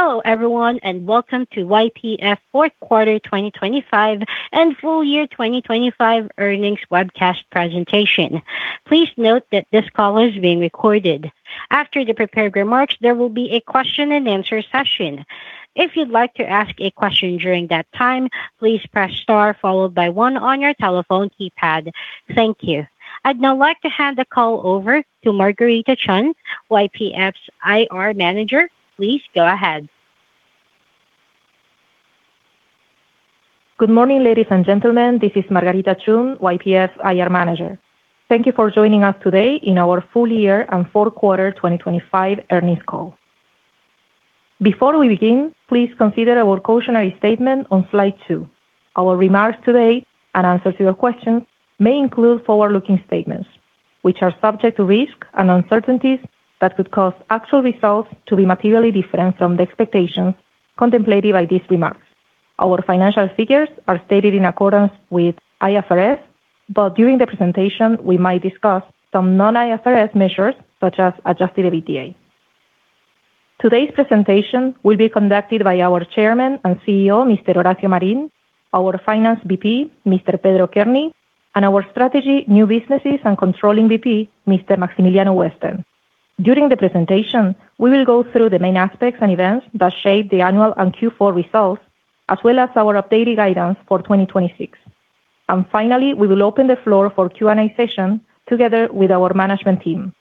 Hello everyone. Welcome to YPF Fourth Quarter 2025 and Full Year 2025 Earnings Webcast Presentation. Please note that this call is being recorded. After the prepared remarks, there will be a question-and-answer session. If you'd like to ask a question during that time, please press star followed by one on your telephone keypad. Thank you. I'd now like to hand the call over to Margarita Chun, YPF's IR manager. Please go ahead. Good morning, ladies and gentlemen. This is Margarita Chun, YPF's IR manager. Thank you for joining us today in our Full Year and Fourth Quarter 2025 Earnings Call. Before we begin, please consider our cautionary statement on slide two. Our remarks today and answers to your questions may include forward-looking statements, which are subject to risks and uncertainties that could cause actual results to be materially different from the expectations contemplated by these remarks. Our financial figures are stated in accordance with IFRS, but during the presentation, we might discuss some non-IFRS measures, such as adjusted EBITDA. Today's presentation will be conducted by our Chairman and CEO, Mr. Horacio Marín, our Finance VP, Mr. Pedro Kearney, and our Strategy, New Businesses, and Controlling VP, Mr. Maximiliano Westen. During the presentation, we will go through the main aspects and events that shaped the annual and Q4 results, as well as our updated guidance for 2026. Finally, we will open the floor for Q&A session together with our management team.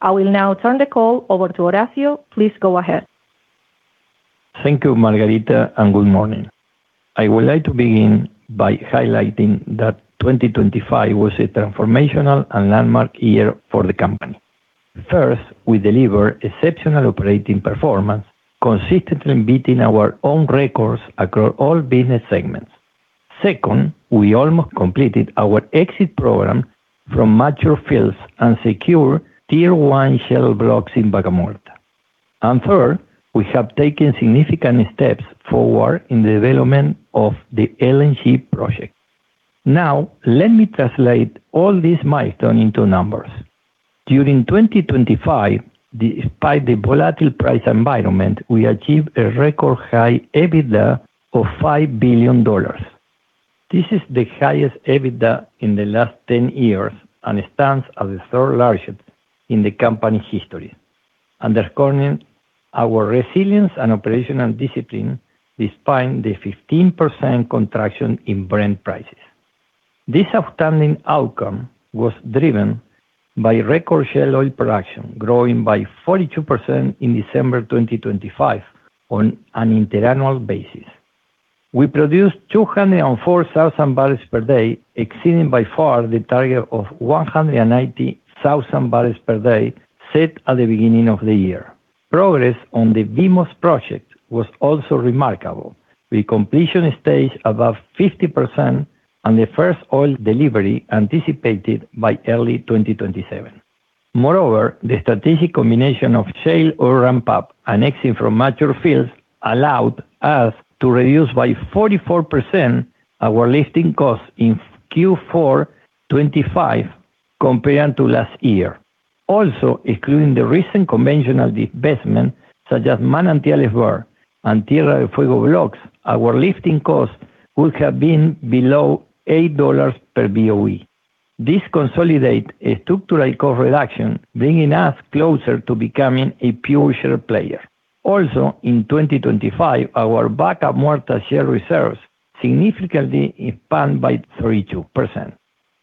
I will now turn the call over to Horacio. Please go ahead. Thank you, Margarita. Good morning. I would like to begin by highlighting that 2025 was a transformational and landmark year for the company. First, we delivered exceptional operating performance, consistently beating our own records across all business segments. Second, we almost completed our exit program from mature fields and secure Tier 1 shale blocks in Vaca Muerta. Third, we have taken significant steps forward in the development of the LNG project. Now, let me translate all these milestones into numbers. During 2025, despite the volatile price environment, we achieved a record-high EBITDA of $5 billion. This is the highest EBITDA in the last 10 years and stands as the third largest in the company history, underscoring our resilience and operational discipline despite the 15% contraction in Brent prices. This outstanding outcome was driven by record shale oil production, growing by 42% in December 2025 on an interannual basis. We produced 204,000 barrels per day, exceeding by far the target of 190,000 barrels per day set at the beginning of the year. Progress on the VMOS project was also remarkable, with completion stage above 50% and the first oil delivery anticipated by early 2027. The strategic combination of shale oil ramp-up and exit from mature fields allowed us to reduce by 44% our lifting costs in Q4 2025 compared to last year. Including the recent conventional divestment, such as Manantiales Behr and Tierra del Fuego blocks, our lifting cost would have been below $8 per BOE. This consolidate a structural cost reduction, bringing us closer to becoming a pure share player. In 2025, our Vaca Muerta shale reserves significantly expanded by 32%.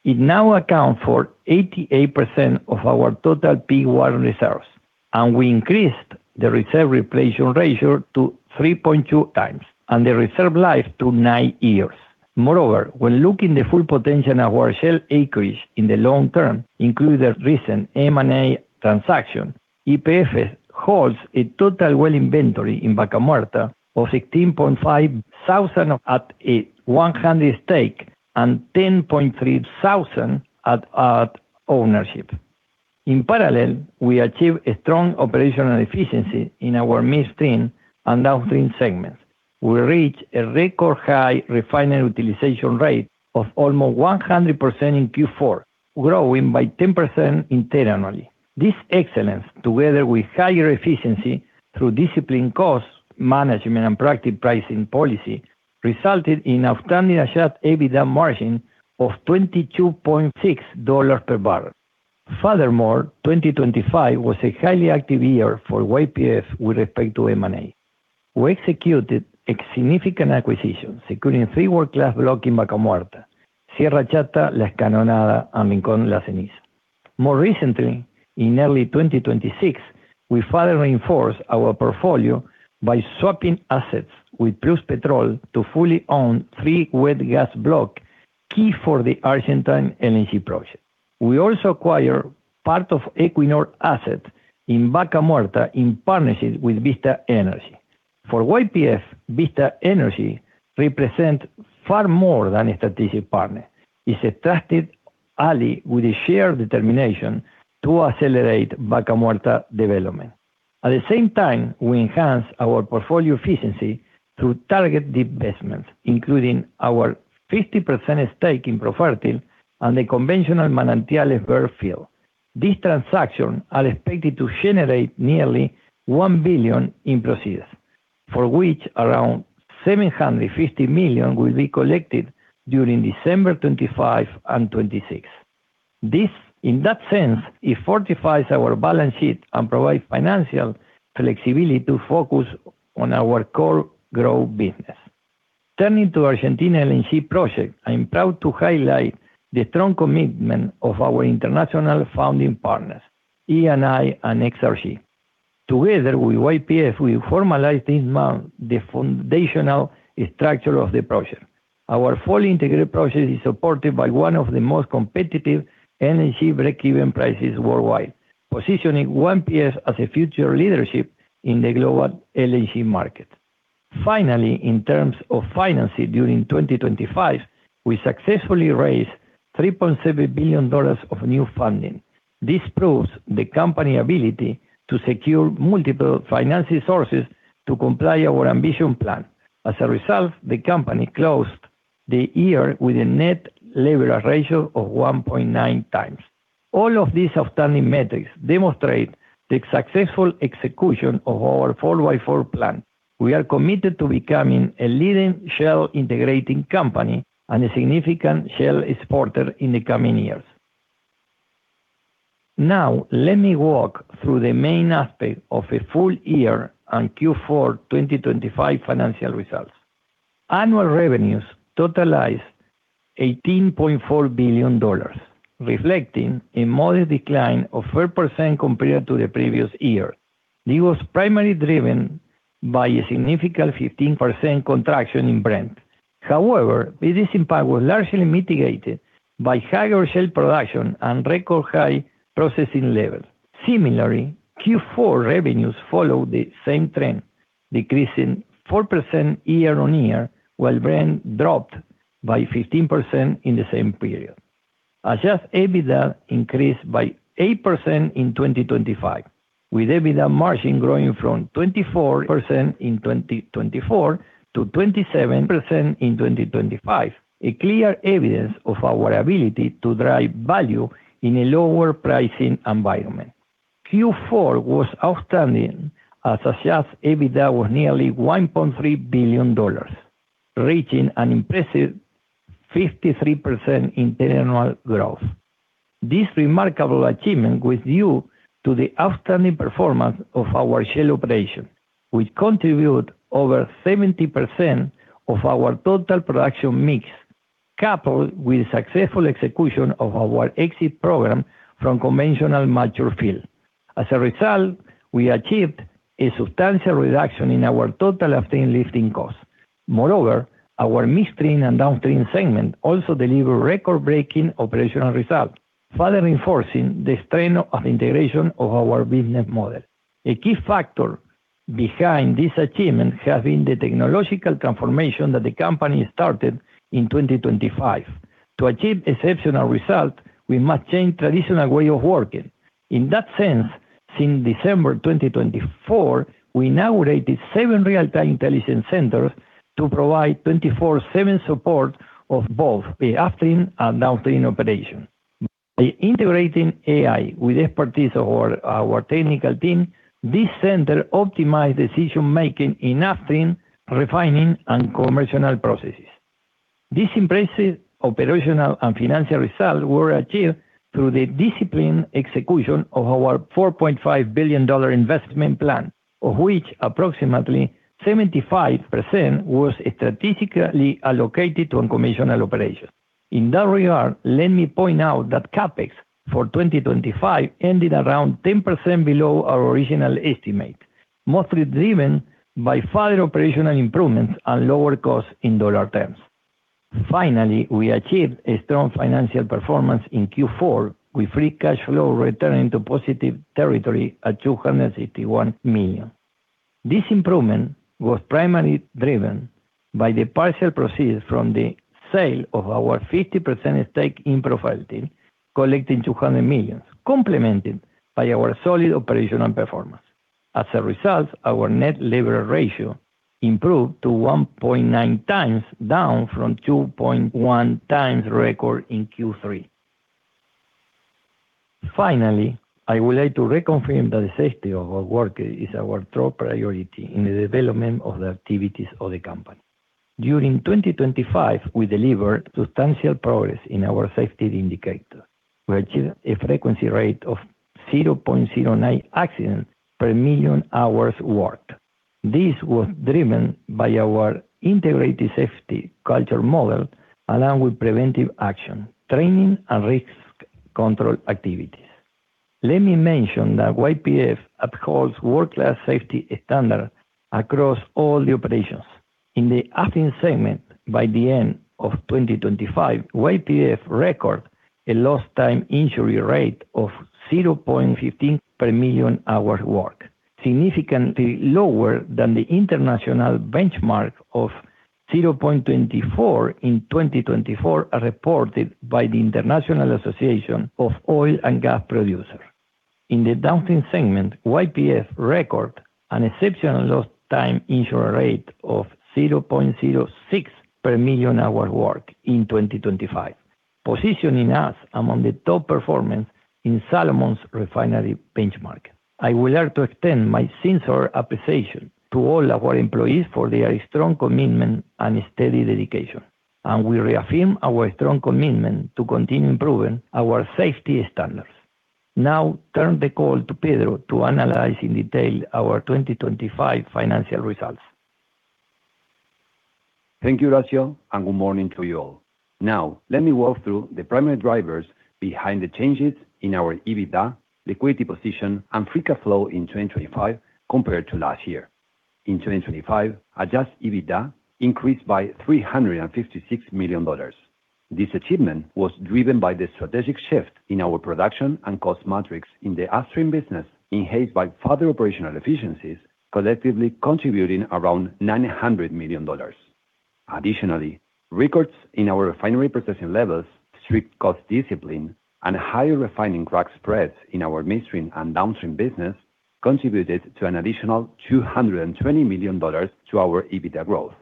It now accounts for 88% of our total peak oil reserves, and we increased the reserve replacement ratio to 3.2x and the reserve life to nine years. When looking the full potential of our shale acreage in the long term, including the recent M&A transaction, YPF holds a total well inventory in Vaca Muerta of 16.5 thousand at a 100 stake and 10.3 thousand at ownership. In parallel, we achieved a strong operational efficiency in our midstream and downstream segments. We reached a record-high refinery utilization rate of almost 100% in Q4, growing by 10% internally. This excellence, together with higher efficiency through disciplined cost management and proactive pricing policy, resulted in outstanding adjusted EBITDA margin of $22.6 per barrel. 2025 was a highly active year for YPF with respect to M&A. We executed a significant acquisition, securing three world-class blocks in Vaca Muerta, Sierra Chata, La Escalonada, and Rincón de la Ceniza. In early 2026, we further reinforced our portfolio by swapping assets with Pluspetrol to fully own three wet gas block, key for the Argentina LNG project. We also acquired part of Equinor asset in Vaca Muerta in partnership with Vista Energy. For YPF, Vista Energy represent far more than a strategic partner. It's a trusted ally with a shared determination to accelerate Vaca Muerta development. At the same time, we enhanced our portfolio efficiency through targeted investments, including our 50% stake in Profertil and the conventional Manantiales Behr field. These transactions are expected to generate nearly $1 billion in proceeds, for which around $750 million will be collected during December 2025 and 2026. This, in that sense, it fortifies our balance sheet and provides financial flexibility to focus on our core growth business. Turning to Argentina LNG project, I'm proud to highlight the strong commitment of our international founding partners, Eni and Exarch. Together with YPF, we formalized this month the foundational structure of the project. Our fully integrated project is supported by one of the most competitive LNG breakeven prices worldwide, positioning YPF as a future leadership in the global LNG market. Finally, in terms of financing during 2025, we successfully raised $3.7 billion of new funding. This proves the company ability to secure multiple financing sources to comply our ambition plan. The company closed the year with a net leverage ratio of 1.9x. All of these outstanding metrics demonstrate the successful execution of our 4x4 Plan. We are committed to becoming a leading shale integrating company and a significant shale exporter in the coming years. Let me walk through the main aspects of a full year and Q4 2025 financial results. Annual revenues totalized $18.4 billion, reflecting a modest decline of 4% compared to the previous year. This was primarily driven by a significant 15% contraction in Brent. This impact was largely mitigated by higher shale production and record-high processing levels. Similarly, Q4 revenues followed the same trend, decreasing 4% year-on-year, while Brent dropped by 15% in the same period. adjusted EBITDA increased by 8% in 2025, with EBITDA margin growing from 24% in 2024 to 27% in 2025. A clear evidence of our ability to drive value in a lower pricing environment. Q4 was outstanding as adjusted EBITDA was nearly $1.3 billion, reaching an impressive 53% internal growth. This remarkable achievement was due to the outstanding performance of our shale operation, which contribute over 70% of our total production mix, coupled with successful execution of our exit program from conventional mature field. As a result, we achieved a substantial reduction in our total upstream lifting costs. Our midstream and downstream segment also delivered record-breaking operational results, further reinforcing the strength of integration of our business model. A key factor behind this achievement has been the technological transformation that the company started in 2025. To achieve exceptional results, we must change traditional way of working. Since December 2024, we now rated seven real-time intelligence centers to provide 24/7 support of both the upstream and downstream operations. Integrating AI with expertise of our technical team, this center optimize decision-making in upstream, refining, and commercial processes. These impressive operational and financial results were achieved through the disciplined execution of our $4.5 billion investment plan, of which approximately 75% was strategically allocated to unconventional operations. In that regard, let me point out that CapEx for 2025 ended around 10% below our original estimate, mostly driven by further operational improvements and lower costs in dollar terms. Finally, we achieved a strong financial performance in Q4, with free cash flow returning to positive territory at $261 million. This improvement was primarily driven by the partial proceeds from the sale of our 50% stake in Profertil, collecting $200 million, complemented by our solid operational performance. As a result, our net leverage ratio improved to 1.9x, down from 2.1x record in Q3. Finally, I would like to reconfirm that the safety of our workers is our top priority in the development of the activities of the company. During 2025, we delivered substantial progress in our safety indicator, we achieved a frequency rate of 0.09 accidents per million hours worked. This was driven by our integrated safety culture model, along with preventive action, training, and risk control activities. Let me mention that YPF upholds world-class safety standard across all the operations. In the upstream segment, by the end of 2025, YPF record a lost time injury rate of 0.15 per million hours worked, significantly lower than the international benchmark of 0.24 in 2024, as reported by the International Association of Oil and Gas Producers. In the downstream segment, YPF record an exceptional lost time injury rate of 0.06 per million hours worked in 2025, positioning us among the top performers in Solomon's refinery benchmark. I would like to extend my sincere appreciation to all our employees for their strong commitment and steady dedication. We reaffirm our strong commitment to continue improving our safety standards. Turn the call to Pedro to analyze in detail our 2025 financial results. Thank you, Horacio, and good morning to you all. Let me walk through the primary drivers behind the changes in our EBITDA, liquidity position, and free cash flow in 2025 compared to last year. In 2025, adjusted EBITDA increased by $356 million. This achievement was driven by the strategic shift in our production and cost matrix in the upstream business, enhanced by further operational efficiencies, collectively contributing around $900 million. Additionally, records in our refinery protection levels, strict cost discipline, and higher refining crack spreads in our midstream and downstream business contributed to an additional $220 million to our EBITDA growth.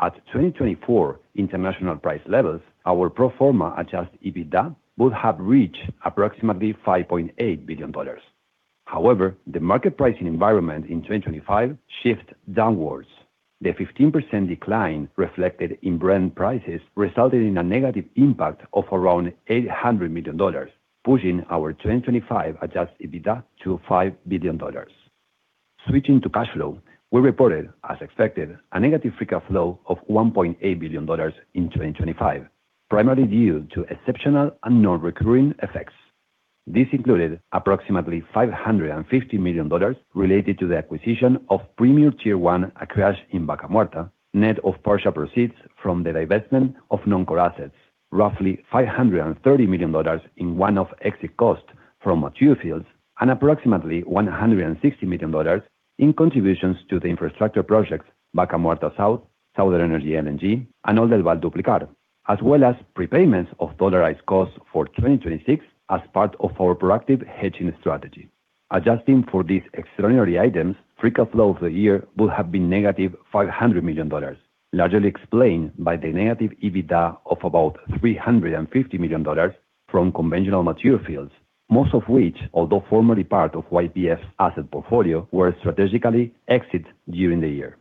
At 2024 international price levels, our pro forma adjusted EBITDA would have reached approximately $5.8 billion. The market pricing environment in 2025 shift downwards. The 15% decline reflected in Brent prices resulted in a negative impact of around $800 million, pushing our 2025 adjusted EBITDA to $5 billion. Switching to cash flow, we reported, as expected, a negative free cash flow of $1.8 billion in 2025, primarily due to exceptional and non-recurring effects. This included approximately $550 million related to the acquisition of premier Tier 1 acreage in Vaca Muerta, net of partial proceeds from the divestment of non-core assets, roughly $530 million in one-off exit costs from mature fields, and approximately $160 million in contributions to the infrastructure projects Vaca Muerta Sur, Southern Energy LNG, and Oleoducto Duplicado, as well as prepayments of dollarized costs for 2026 as part of our proactive hedging strategy. Adjusting for these extraordinary items, free cash flow for the year would have been negative $500 million, largely explained by the negative EBITDA of about $350 million from conventional mature fields, most of which, although formerly part of YPF's asset portfolio, were strategically exited during the year.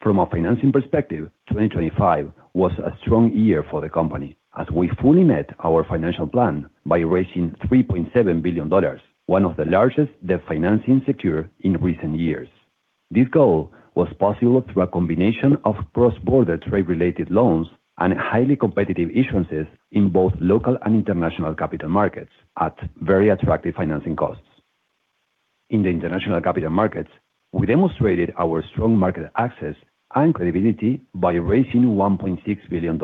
From a financing perspective, 2025 was a strong year for the company, as we fully met our financial plan by raising $3.7 billion, one of the largest debt financing secured in recent years. This goal was possible through a combination of cross-border trade-related loans and highly competitive issuances in both local and international capital markets at very attractive financing costs. In the international capital markets, we demonstrated our strong market access and credibility by raising $1.6 billion.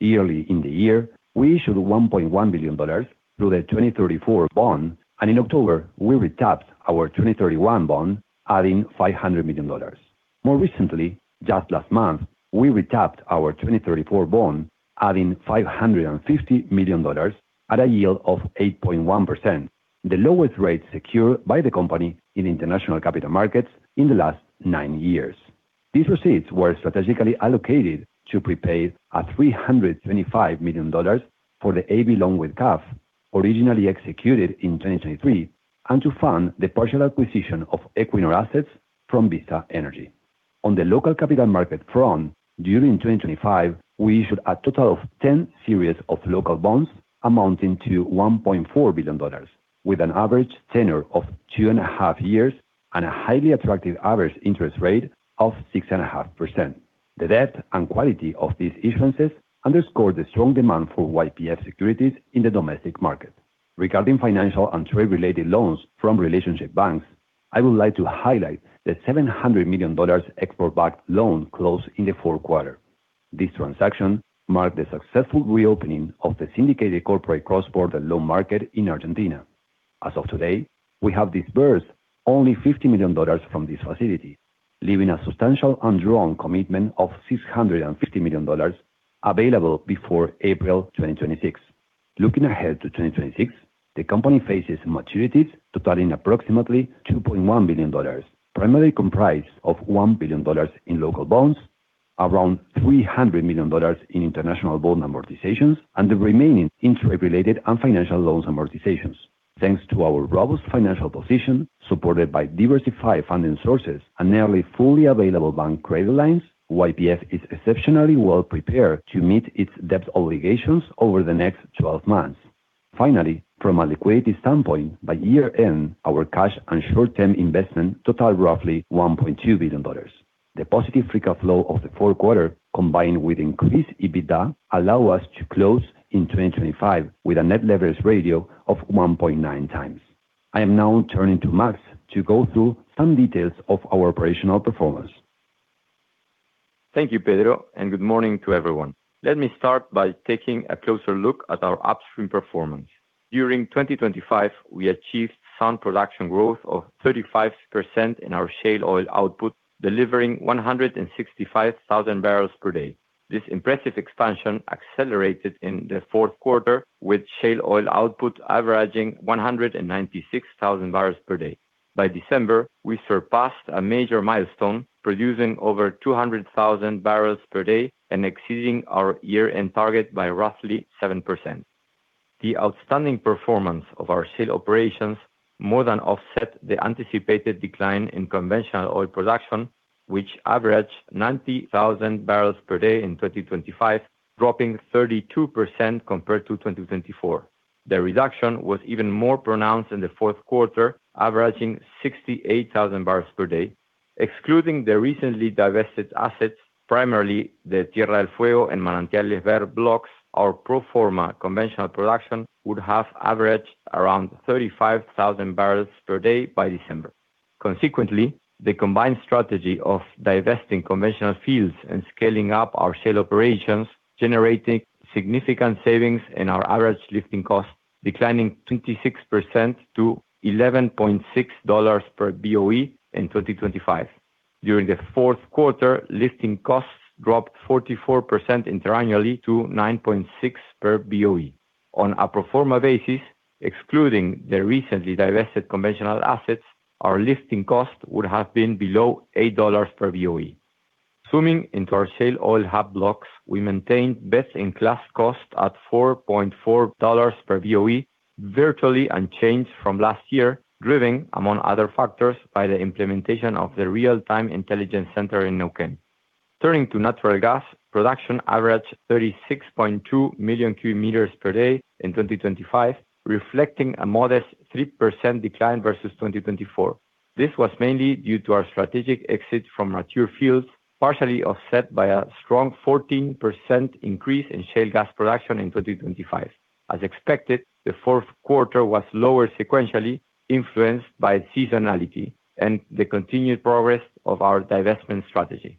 Early in the year, we issued $1.1 billion through the 2034 bond. In October, we re-tapped our 2031 bond, adding $500 million. More recently, just last month, we re-tapped our 2034 bond, adding $550 million at a yield of 8.1%, the lowest rate secured by the company in international capital markets in the last 9 years. These proceeds were strategically allocated to prepaid at $325 million for the A/B loan with CAF, originally executed in 2023, and to fund the partial acquisition of Equinor assets from Vista Energy. On the local capital market front, during 2025, we issued a total of 10 series of local bonds amounting to $1.4 billion, with an average tenure of two and a half years and a highly attractive average interest rate of 6.5%. The depth and quality of these issuances underscore the strong demand for YPF securities in the domestic market. Regarding financial and trade-related loans from relationship banks, I would like to highlight the $700 million export-backed loan closed in the fourth quarter. This transaction marked the successful reopening of the syndicated corporate cross-border loan market in Argentina. As of today, we have disbursed only $50 million from this facility, leaving a substantial undrawn commitment of $650 million available before April 2026. Looking ahead to 2026, the company faces maturities totaling approximately $2.1 billion, primarily comprised of $1 billion in local bonds, around $300 million in international bond amortizations, and the remaining in trade-related and financial loans amortizations. Thanks to our robust financial position, supported by diversified funding sources and nearly fully available bank credit lines, YPF is exceptionally well-prepared to meet its debt obligations over the next 12 months. From a liquidity standpoint, by year-end, our cash and short-term investment totaled roughly $1.2 billion. The positive free cash flow of the fourth quarter, combined with increased EBITDA, allow us to close in 2025 with a net leverage ratio of 1.9x. I am now turning to Max to go through some details of our operational performance. Thank you, Pedro, and good morning to everyone. Let me start by taking a closer look at our upstream performance. During 2025, we achieved sound production growth of 35% in our shale oil output, delivering 165,000 barrels per day. This impressive expansion accelerated in the fourth quarter, with shale oil output averaging 196,000 barrels per day. By December, we surpassed a major milestone, producing over 200,000 barrels per day and exceeding our year-end target by roughly 7%. The outstanding performance of our shale operations more than offset the anticipated decline in conventional oil production, which averaged 90,000 barrels per day in 2025, dropping 32% compared to 2024. The reduction was even more pronounced in the fourth quarter, averaging 68,000 barrels per day, excluding the recently divested assets, primarily the Tierra del Fuego and Manantiales Verdes blocks, our pro forma conventional production would have averaged around 35,000 barrels per day by December. Consequently, the combined strategy of divesting conventional fields and scaling up our sale operations, generating significant savings in our average lifting costs, declining 26% to $11.6 per BOE in 2025. During the fourth quarter, lifting costs dropped 44% inter annually to $9.6 per BOE. On a pro forma basis, excluding the recently divested conventional assets, our lifting cost would have been below $8 per BOE. Swimming into our shale oil hub blocks, we maintained best-in-class costs at $4.4 per BOE, virtually unchanged from last year, driven, among other factors, by the implementation of the real-time intelligence center in Neuquén. Turning to natural gas, production averaged 36.2 million cubic meters per day in 2025, reflecting a modest 3% decline versus 2024. This was mainly due to our strategic exit from mature fields, partially offset by a strong 14% increase in shale gas production in 2025. As expected, the fourth quarter was lower sequentially, influenced by seasonality and the continued progress of our divestment strategy.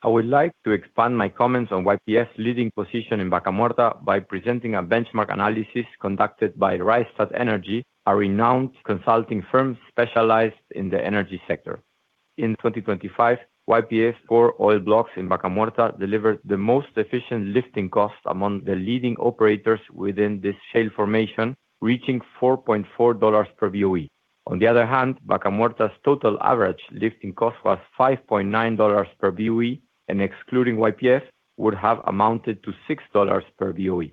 I would like to expand my comments on YPF's leading position in Vaca Muerta by presenting a benchmark analysis conducted by Rystad Energy, a renowned consulting firm specialized in the energy sector. In 2025, YPF's four oil blocks in Vaca Muerta delivered the most efficient lifting costs among the leading operators within this shale formation, reaching $4.4 per BOE. Vaca Muerta's total average lifting cost was $5.9 per BOE, and excluding YPF, would have amounted to $6 per BOE.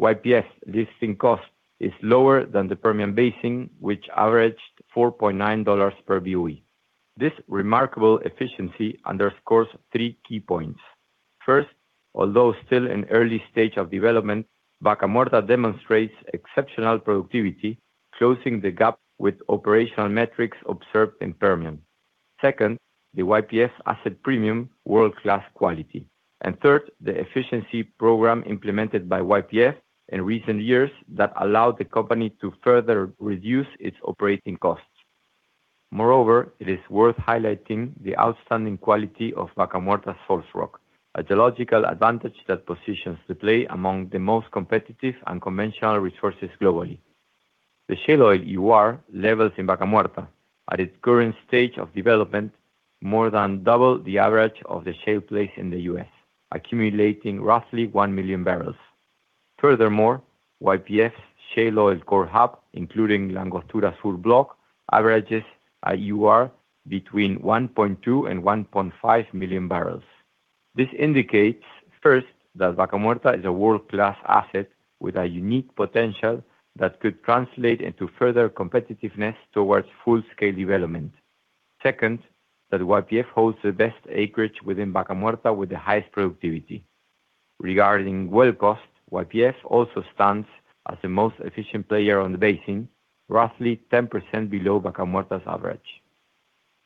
YPF's lifting cost is lower than the Permian Basin, which averaged $4.9 per BOE. This remarkable efficiency underscores three key points. First, although still in early stage of development, Vaca Muerta demonstrates exceptional productivity, closing the gap with operational metrics observed in Permian. Second, the YPF asset premium, world-class quality. Third, the efficiency program implemented by YPF in recent years that allowed the company to further reduce its operating costs. It is worth highlighting the outstanding quality of Vaca Muerta's source rock, a geological advantage that positions the play among the most competitive and conventional resources globally. The shale oil EUR levels in Vaca Muerta, at its current stage of development, more than double the average of the shale play in the U.S., accumulating roughly one million barrels. YPF's shale oil core hub, including La Angostura Sur block, averages a EUR between 1.2 million and 1.5 million barrels. This indicates, first, that Vaca Muerta is a world-class asset with a unique potential that could translate into further competitiveness towards full-scale development. Second, that YPF holds the best acreage within Vaca Muerta with the highest productivity. Regarding well cost, YPF also stands as the most efficient player on the basin, roughly 10% below Vaca Muerta's average.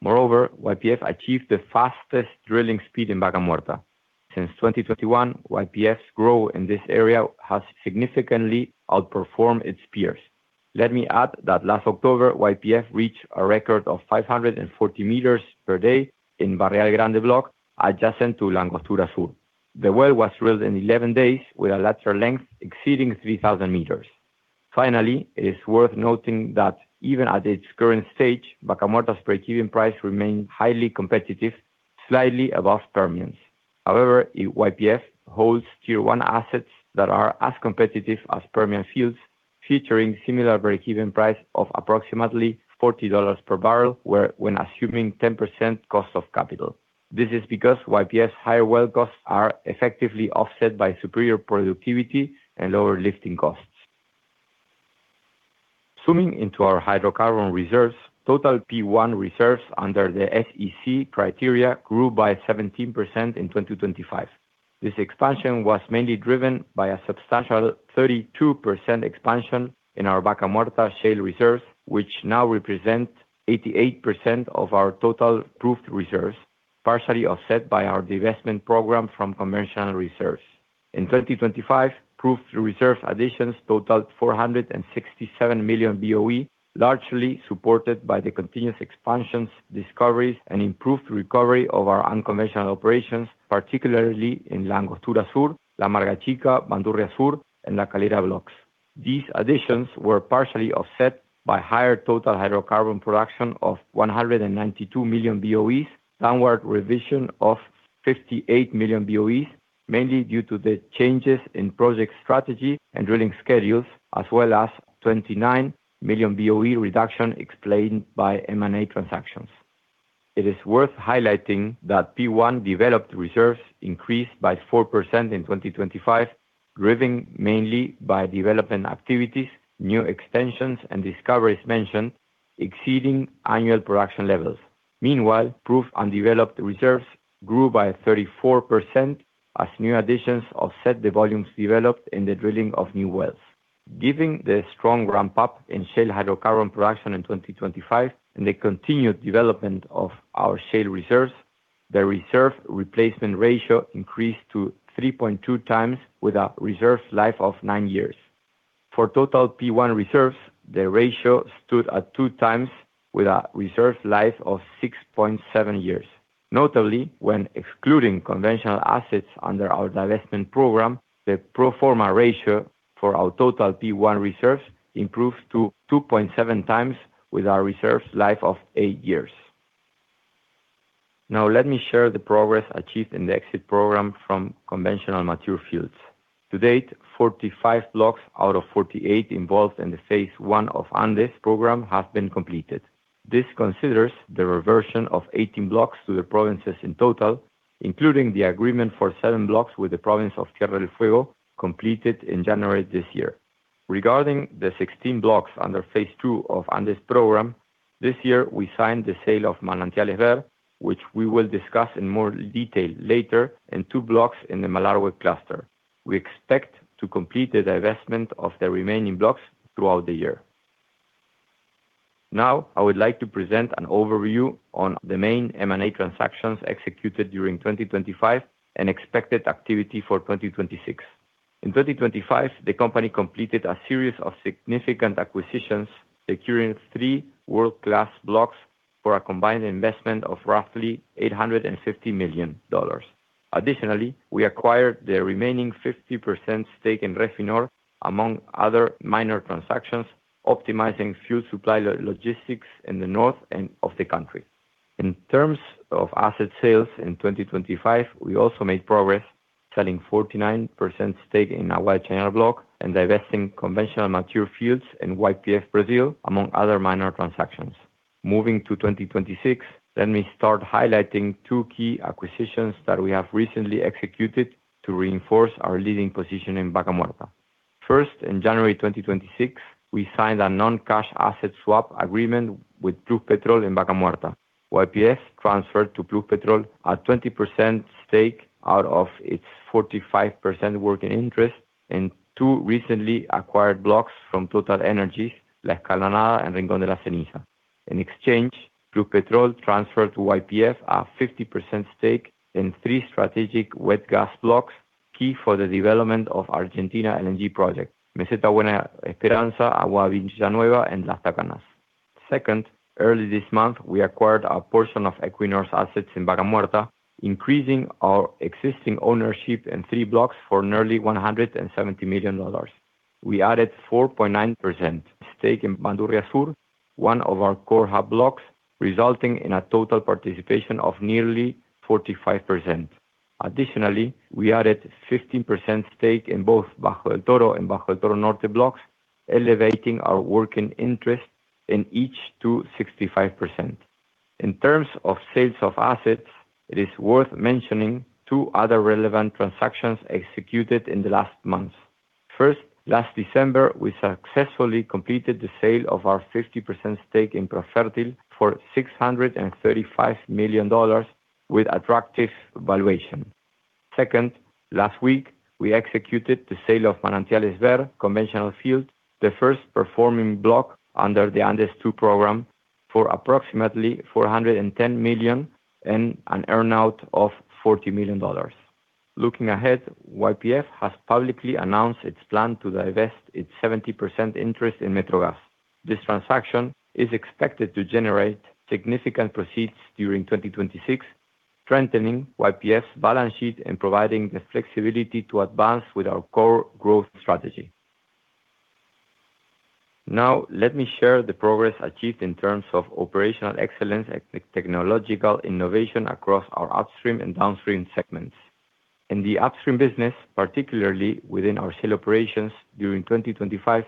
YPF achieved the fastest drilling speed in Vaca Muerta. Since 2021, YPF's growth in this area has significantly outperformed its peers. Let me add that last October, YPF reached a record of 540 meters per day in Bajada del Palo block, adjacent to La Angostura Sur. The well was drilled in 11 days with a lateral length exceeding 3,000 meters. It is worth noting that even at its current stage, Vaca Muerta's breakeven price remains highly competitive, slightly above Permian's. YPF holds Tier 1 assets that are as competitive as Permian fields, featuring similar breakeven price of approximately $40 per barrel, when assuming 10% cost of capital. This is because YPF's higher well costs are effectively offset by superior productivity and lower lifting costs. Zooming into our hydrocarbon reserves, total 1P reserves under the SEC criteria grew by 17% in 2025. This expansion was mainly driven by a substantial 32% expansion in our Vaca Muerta shale reserves, which now represent 88% of our total proved reserves, partially offset by our divestment program from conventional reserves. In 2025, proved reserve additions totaled 467 million BOE, largely supported by the continuous expansions, discoveries, and improved recovery of our unconventional operations, particularly in La Angostura Sur, La Amarga Chica, Bandurria Sur, and La Calera blocks. These additions were partially offset by higher total hydrocarbon production of 192 million BOEs, downward revision of 58 million BOEs. mainly due to the changes in project strategy and drilling schedules, as well as 29 million BOE reduction explained by M&A transactions. It is worth highlighting that 1P developed reserves increased by 4% in 2025, driven mainly by development activities, new extensions, and discoveries mentioned exceeding annual production levels. Meanwhile, proved undeveloped reserves grew by 34% as new additions offset the volumes developed in the drilling of new wells. Giving the strong ramp-up in shale hydrocarbon production in 2025 and the continued development of our shale reserves, the reserve replacement ratio increased to 3.2x with a reserve life of nine years. For total 1P reserves, the ratio stood at 2x with a reserve life of 6.7 years. Notably, when excluding conventional assets under our divestment program, the pro forma ratio for our total 1P reserves improved to 2.7x with our reserves life of eight years. Now, let me share the progress achieved in the exit program from conventional mature fields. To date, 45 blocks out of 48 involved in the phase I of Andes Program have been completed. This considers the reversion of 18 blocks to the provinces in total, including the agreement for seven blocks with the province of Tierra del Fuego, completed in January this year. Regarding the 16 blocks under phase two of Andes Program, this year, we signed the sale of Manantiales Behr, which we will discuss in more detail later, in two blocks in the Malargüe cluster. We expect to complete the divestment of the remaining blocks throughout the year. I would like to present an overview on the main M&A transactions executed during 2025 and expected activity for 2026. In 2025, the company completed a series of significant acquisitions, securing 3 world-class blocks for a combined investment of roughly $850 million. Additionally, we acquired the remaining 50% stake in Refinor, among other minor transactions, optimizing fuel supply logistics in the north end of the country. In terms of asset sales in 2025, we also made progress, selling 49% stake in Aguada de Castro and divesting conventional mature fields in YPF Brazil, among other minor transactions. Moving to 2026, let me start highlighting two key acquisitions that we have recently executed to reinforce our leading position in Vaca Muerta. First, in January 2026, we signed a non-cash asset swap agreement with Pluspetrol in Vaca Muerta. YPF transferred to Pluspetrol a 20% stake out of its 45% working interest in two recently acquired blocks from TotalEnergies, La Escalonada and Rincón de la Ceniza. In exchange, Pluspetrol transferred to YPF a 50% stake in three strategic wet gas blocks, key for the development of Argentina LNG project: Meseta Buena Esperanza, Aguada Villanueva, and Las Tacanas. Second, early this month, we acquired a portion of Equinor's assets in Vaca Muerta, increasing our existing ownership in three blocks for nearly $170 million. We added 4.9% stake in Bandurria Sur, one of our core hub blocks, resulting in a total participation of nearly 45%. We added 15% stake in both Bajo del Toro and Bajo del Toro Norte blocks, elevating our working interest in each to 65%. In terms of sales of assets, it is worth mentioning two other relevant transactions executed in the last months. Last December, we successfully completed the sale of our 50% stake in Profertil for $635 million with attractive valuation. Last week, we executed the sale of Manantiales Behr conventional field, the first performing block under the Andes Program, for approximately $410 million and an earn-out of $40 million. Looking ahead, YPF has publicly announced its plan to divest its 70% interest in Metrogas. This transaction is expected to generate significant proceeds during 2026, strengthening YPF's balance sheet and providing the flexibility to advance with our core growth strategy. Let me share the progress achieved in terms of operational excellence and technological innovation across our upstream and downstream segments. In the upstream business, particularly within our shale operations during 2025,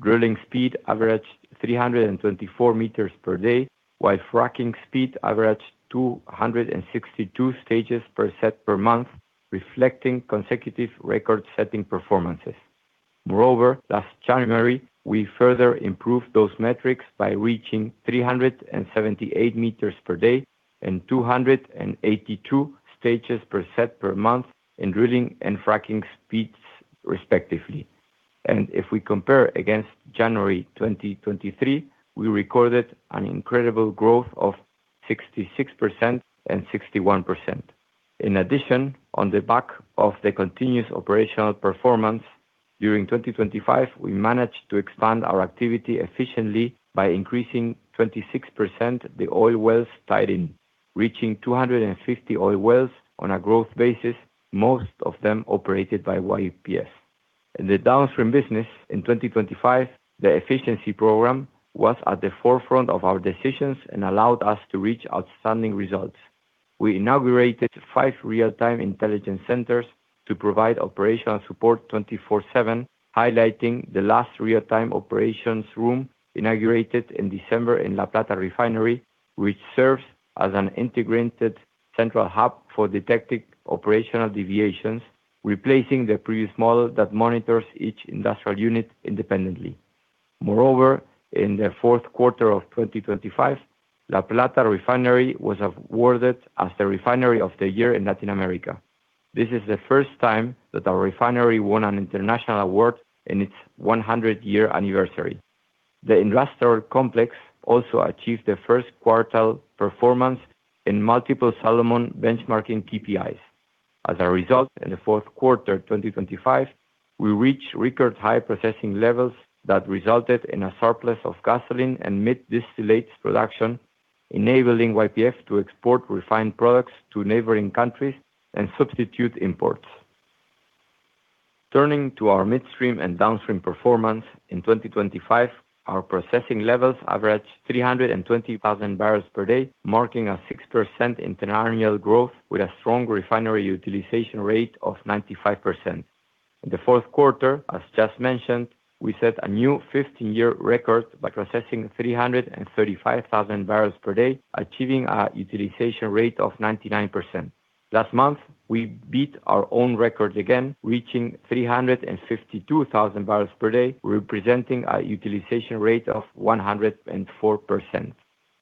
drilling speed averaged 324 meters per day, while fracking speed averaged 262 stages per set per month, reflecting consecutive record-setting performances. Last January, we further improved those metrics by reaching 378 meters per day and 282 stages per set per month in drilling and fracking speeds, respectively. If we compare against January 2023, we recorded an incredible growth of 66% and 61%. On the back of the continuous operational performance, during 2025, we managed to expand our activity efficiently by increasing 26% the oil wells tied in, reaching 250 oil wells on a growth basis, most of them operated by YPF. In the Downstream business in 2025, the efficiency program was at the forefront of our decisions and allowed us to reach outstanding results. We inaugurated five real-time intelligence centers to provide operational support 24/7, highlighting the last real-time operations room inaugurated in December in La Plata Refinery, which serves as an integrated central hub for detecting operational deviations, replacing the previous model that monitors each industrial unit independently. In the fourth quarter of 2025, La Plata Refinery was awarded as the Refinery of the Year in Latin America. This is the first time that our refinery won an international award in its 100-year anniversary. The industrial complex also achieved the first quartile performance in multiple Solomon benchmarking KPIs. In the fourth quarter 2025, we reached record-high processing levels that resulted in a surplus of gasoline and mid-distillates production, enabling YPF to export refined products to neighboring countries and substitute imports. Turning to our Midstream and Downstream performance in 2025, our processing levels averaged 320,000 barrels per day, marking a 6% internal growth with a strong refinery utilization rate of 95%. In the fourth quarter, as just mentioned, we set a new 15 years record by processing 335,000 barrels per day, achieving a utilization rate of 99%. Last month, we beat our own record again, reaching 352,000 barrels per day, representing a utilization rate of 104%.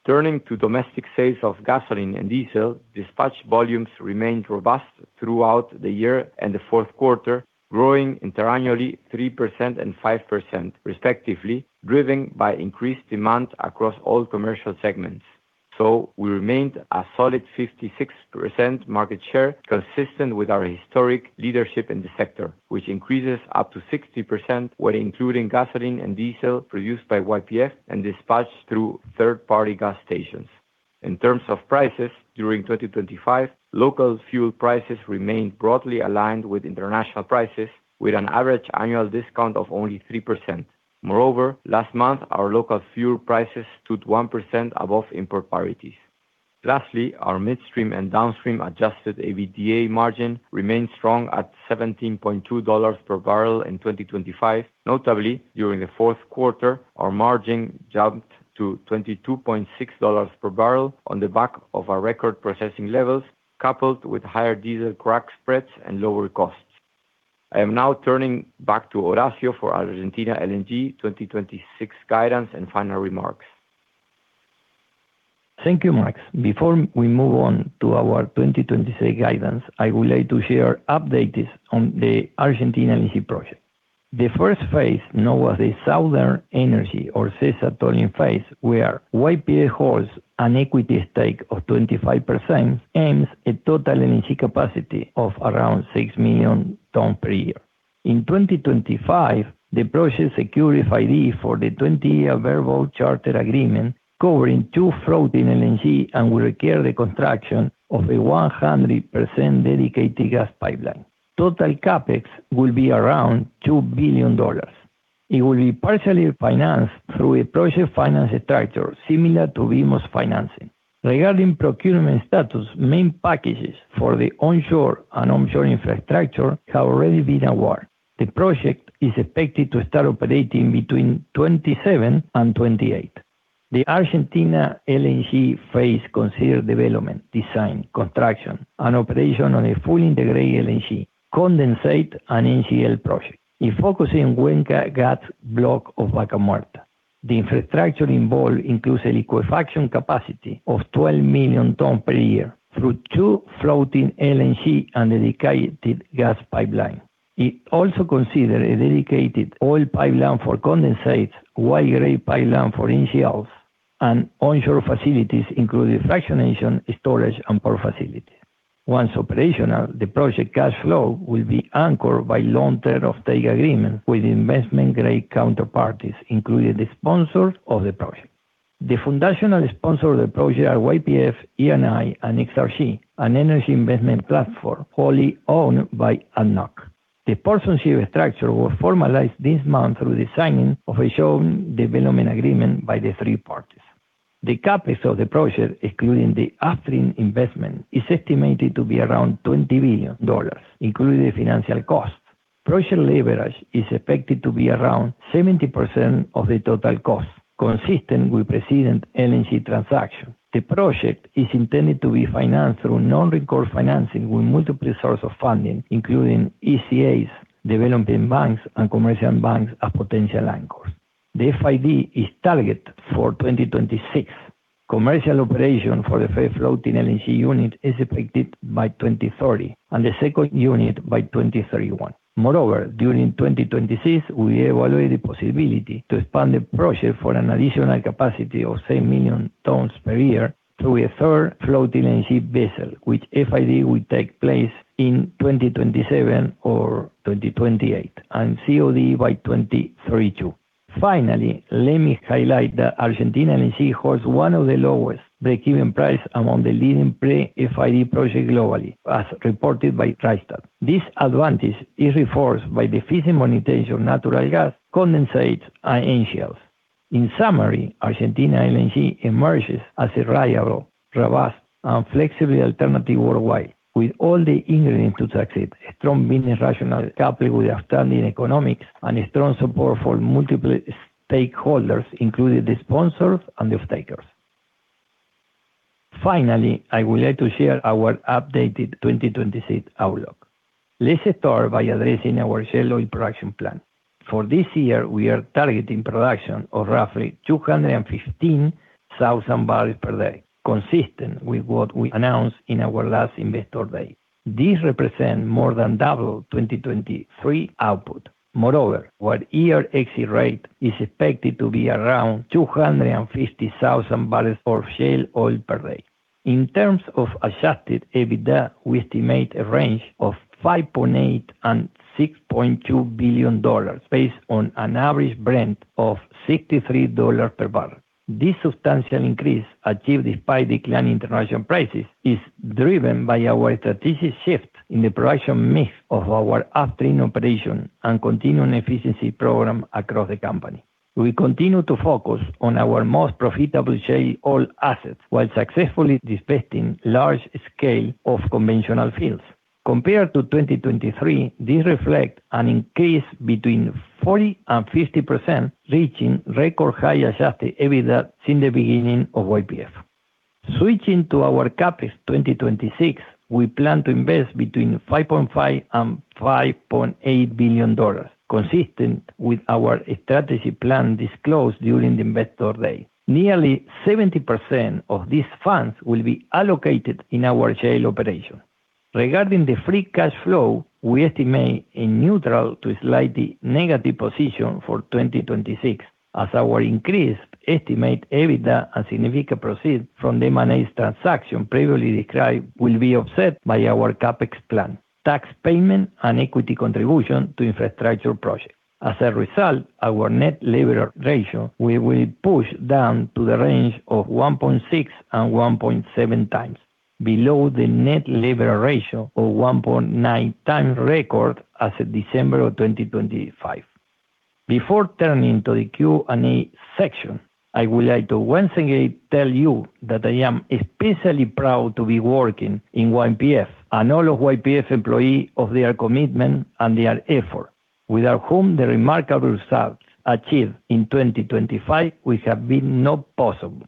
Turning to domestic sales of gasoline and diesel, dispatch volumes remained robust throughout the year and the fourth quarter, growing internally 3% and 5% respectively, driven by increased demand across all commercial segments. We remained a solid 56% market share, consistent with our historic leadership in the sector, which increases up to 60% when including gasoline and diesel produced by YPF and dispatched through third-party gas stations. In terms of prices, during 2025, local fuel prices remained broadly aligned with international prices, with an average annual discount of only 3%. Moreover, last month, our local fuel prices stood 1% above import parities. Lastly, our Midstream and Downstream adjusted EBITDA margin remained strong at $17.2 per barrel in 2025. Notably, during the fourth quarter, our margin jumped to $22.6 per barrel on the back of our record processing levels, coupled with higher diesel crack spreads and lower costs. I am now turning back to Horacio for Argentina LNG 2026 guidance and final remarks. Thank you, Max. Before we move on to our 2026 guidance, I would like to share updates on the Argentina LNG project. The first phase, known as the Southern Energy or SESA Tolling phase, where YPF holds an equity stake of 25%, aims a total LNG capacity of around six million tons per year. In 2025, the project secured FID for the 20-year available charter agreement, covering two floating LNG and will require the construction of a 100% dedicated gas pipeline. Total CapEx will be around $2 billion. It will be partially financed through a project finance structure similar to VMOS financing. Regarding procurement status, main packages for the onshore and offshore infrastructure have already been awarded. The project is expected to start operating between 2027 and 2028. The Argentina LNG phase consider development, design, construction, and operation on a fully integrated LNG condensate and NGL project. It focuses on Wenca gas block of Vaca Muerta. The infrastructure involved includes a liquefaction capacity of 12 million tons per year through two floating LNG and dedicated gas pipeline. It also consider a dedicated oil pipeline for condensate, wide-grade pipeline for NGLs, and onshore facilities, including fractionation, storage, and port facility. Once operational, the project cash flow will be anchored by long-term offtake agreement with investment-grade counterparties, including the sponsors of the project. The foundational sponsor of the project are YPF, Eni, and Exarch, an energy investment platform wholly owned by ADNOC. The partnership structure was formalized this month through the signing of a joint development agreement by the three parties. The CapEx of the project, excluding the upstream investment, is estimated to be around $20 billion, including the financial costs. Project leverage is expected to be around 70% of the total cost, consistent with precedent LNG transaction. The project is intended to be financed through non-recourse financing with multiple sources of funding, including ECAs, development banks, and commercial banks as potential anchors. The FID is targeted for 2026. Commercial operation for the first floating LNG unit is expected by 2030, and the second unit by 2031. During 2026, we evaluate the possibility to expand the project for an additional capacity of seven million tons per year through a third floating LNG vessel, which FID will take place in 2027 or 2028, and COD by 2032. Finally, let me highlight that Argentina LNG holds one of the lowest breakeven price among the leading pre-FID projects globally, as reported by Rystad Energy. This advantage is reinforced by the efficient monetization of natural gas, condensate, and NGLs. In summary, Argentina LNG emerges as a reliable, robust, and flexible alternative worldwide, with all the ingredients to succeed: strong business rationale, coupled with outstanding economics, and a strong support for multiple stakeholders, including the sponsors and the off takers. Finally, I would like to share our updated 2026 outlook. Let's start by addressing our shale oil production plan. For this year, we are targeting production of roughly 215,000 barrels per day, consistent with what we announced in our last Investor Day. This represent more than double 2023 output. Our year exit rate is expected to be around 250,000 barrels of shale oil per day. In terms of adjusted EBITDA, we estimate a range of $5.8 billion and $6.2 billion based on an average Brent of $63 per barrel. This substantial increase, achieved despite declining international prices, is driven by our strategic shift in the production mix of our upstream operation and continuing efficiency program across the company. We continue to focus on our most profitable shale oil assets while successfully disposing large scale of conventional fields. Compared to 2023, this reflect an increase between 40% and 50%, reaching record high adjusted EBITDA since the beginning of YPF. Switching to our CapEx 2026, we plan to invest between $5.5 billion and $5.8 billion, consistent with our strategy plan disclosed during the Investor Day. Nearly 70% of these funds will be allocated in our shale operation. Regarding the free cash flow, we estimate a neutral to slightly negative position for 2026, as our increased estimated EBITDA and significant proceeds from the M&A transaction previously described will be offset by our CapEx plan, tax payment, and equity contribution to infrastructure projects. As a result, our net levered ratio will push down to the range of 1.6 and 1.7x, below the net levered ratio of 1.9x record as of December of 2025. Before turning to the Q&A section, I would like to once again tell you that I am especially proud to be working in YPF, and all of YPF employee of their commitment and their effort, without whom the remarkable results achieved in 2025 would have been not possible.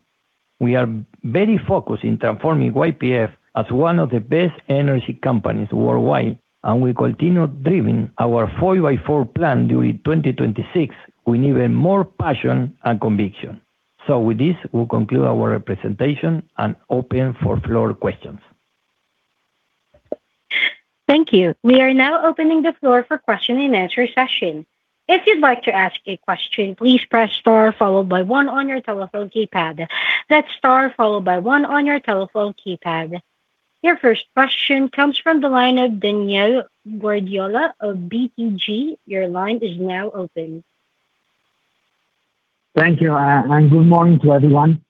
We are very focused in transforming YPF as one of the best energy companies worldwide, and we continue driving our 4x4 Plan during 2026 with even more passion and conviction. With this, we'll conclude our presentation and open for floor questions. Thank you. We are now opening the floor for question-and-answer session. If you'd like to ask a question, please press star followed by 1 on your telephone keypad. That's star followed by 1 on your telephone keypad. Your first question comes from the line of Daniel Guardiola of BTG. Your line is now open. Thank you, good morning to everyone.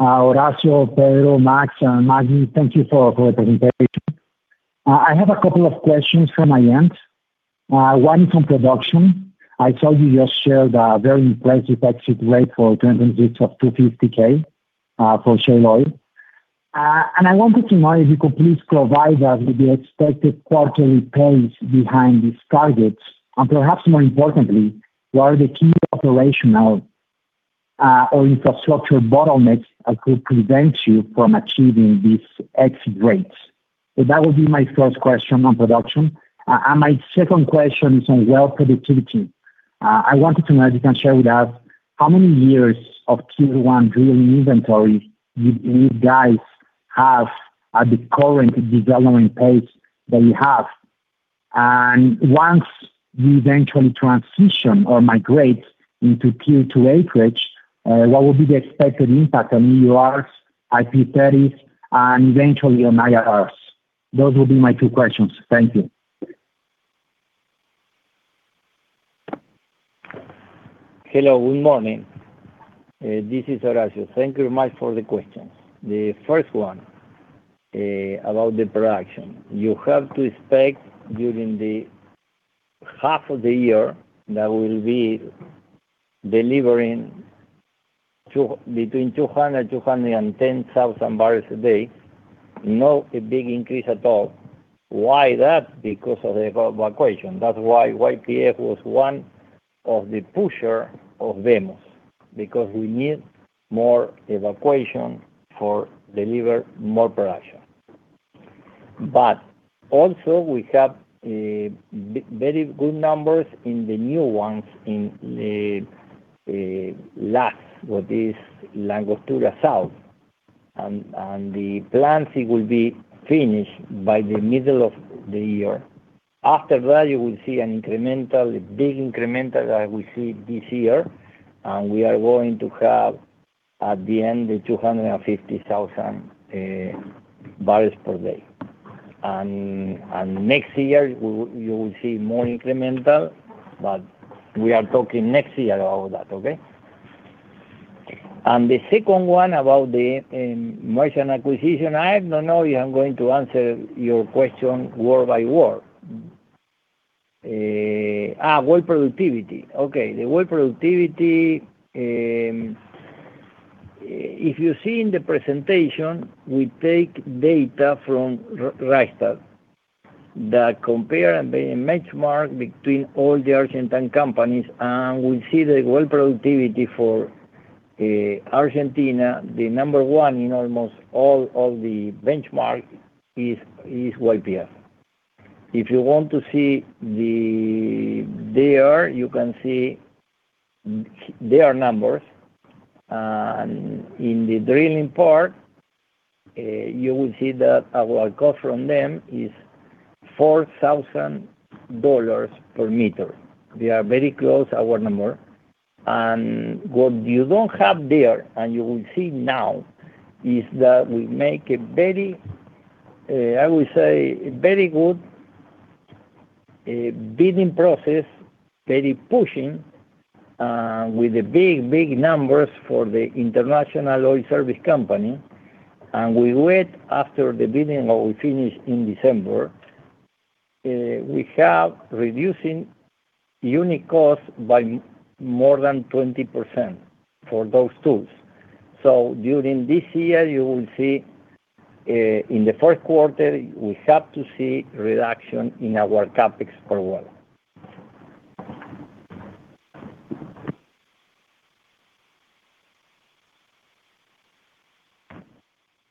Horacio, Pedro, Max, and Margarita, thank you for the presentation. I have a couple of questions from my end. One is on production. I saw you just shared a very impressive exit rate for 2026 of 250K for shale oil. I wanted to know if you could please provide us with the expected quarterly pace behind these targets, and perhaps more importantly, what are the key operational or infrastructure bottlenecks that could prevent you from achieving these exit rates? That would be my first question on production. My second question is on well productivity. I wanted to know if you can share with us how many years of Tier 1 drilling inventory you guys have at the current development pace that you have? Once you eventually transition or migrate into Q2 acreage, what would be the expected impact on EURs, IP30s, and eventually on IRR? Those would be my two questions. Thank you. Hello, good morning. This is Horacio. Thank you very much for the questions. The first one about the production. You have to expect during the half of the year that we'll be delivering between 200-210,000 barrels a day. Not a big increase at all. Why that? Because of the evacuation. That's why YPF was one of the pusher of VMOS, because we need more evacuation for deliver more production. Also, we have a very good numbers in the new ones, in the last, what is La Angostura Sur, and the plant will be finished by the middle of the year. After that, you will see an incremental, a big incremental that we see this year, and we are going to have, at the end, the 250,000 barrels per day. Next year, you will see more incremental, we are talking next year about that, okay? The second one about the merchant acquisition, I have no know if I'm going to answer your question word by word. Well, productivity. Okay, the well productivity, if you see in the presentation, we take data from Rystad that compare the benchmark between all the Argentine companies, we see the well productivity for Argentina, the number one in almost all the benchmark is YPF. If you want to see there, you can see their numbers. In the drilling part, you will see that our cost from them is $4,000 per meter. We are very close, our number. What you don't have there, and you will see now, is that we make a very, I would say, very good bidding process, very pushing with the big numbers for the international oil service company. We wait after the bidding, or we finish in December, we have reducing unit cost by more than 20% for those tools. During this year, you will see in the first quarter, we have to see reduction in our CapEx per well.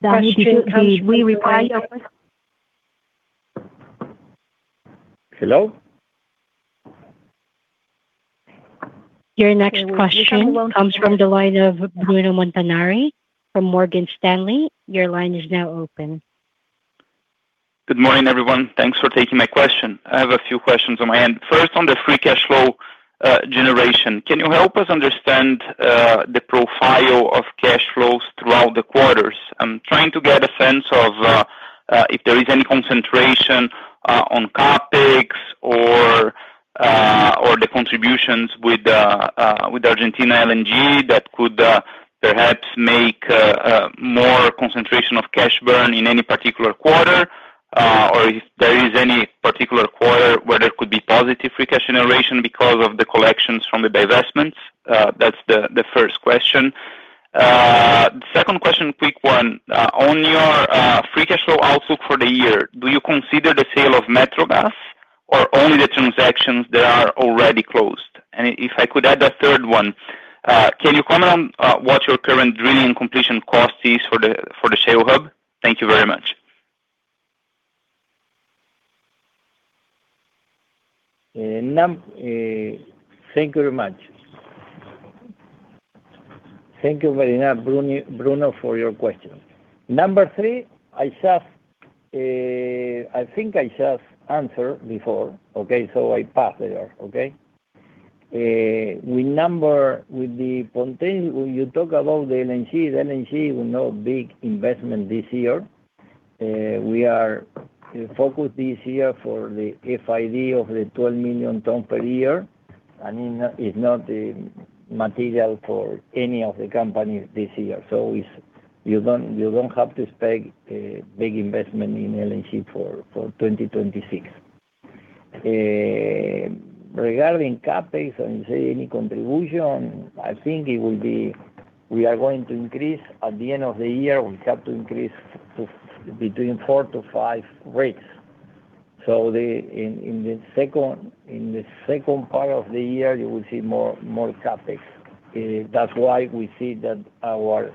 Question, we require Hello? Your next question comes from the line of Bruno Montanari from Morgan Stanley. Your line is now open. Good morning, everyone. Thanks for taking my question. I have a few questions on my end. First, on the free cash flow, generation, can you help us understand, the profile of cash flows throughout the quarters? I'm trying to get a sense of, if there is any concentration, on CapEx or the contributions with Argentina LNG, that could, perhaps make a more concentration of cash burn in any particular quarter? Or if there is any particular quarter where there could be positive free cash generation because of the collections from the divestments? That's the first question. The second question, quick one. On your free cash flow outlook for the year, do you consider the sale of Metrogas or only the transactions that are already closed? If I could add a third one, can you comment on what your current drilling completion cost is for the Shale Hub? Thank you very much. Thank you very much. Thank you very much, Bruno, for your question. Number three, I just, I think I just answered before, okay? I pass there, okay. With number, with the potential, you talk about the LNG. The LNG, we've no big investment this year. We are focused this year for the FID of the 12 million ton per year. I mean, it's not the material for any of the companies this year. It's, you don't have to expect a big investment in LNG for 2026. Regarding CapEx, and you say any contribution, I think it will be, we are going to increase. At the end of the year, we have to increase to between four to five rates. The second part of the year, you will see more CapEx. That's why we see that our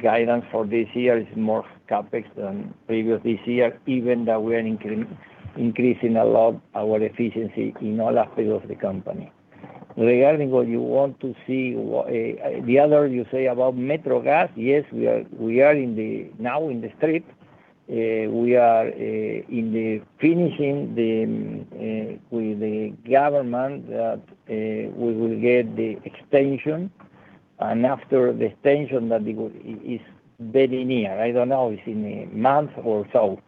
guidance for this year is more CapEx than previous this year, even though we are increasing a lot our efficiency in all aspects of the company. Regarding what you want to see, what the other you say about Metrogas, yes, we are now in the strip. We are in the finishing the with the government that we will get the extension. After the extension, that is very near. I don't know, it's in a month or so.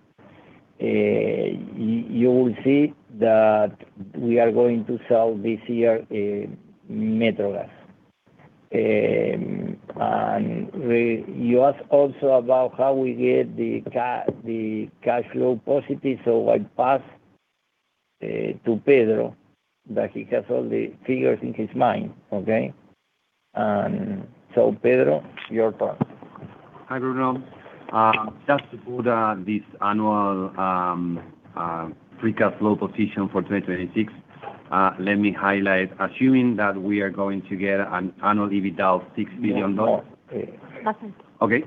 You will see that we are going to sell this year Metrogas. You ask also about how we get the cash flow positive, so I pass to Pedro, that he has all the figures in his mind, okay? Pedro, your turn. Hi, Bruno. Just to put this annual free cash flow position for 2026, let me highlight, assuming that we are going to get an annual EBITDA, $6 billion. Nothing. Okay.